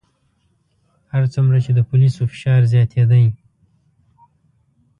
هر څومره چې د پولیسو فشار زیاتېدی.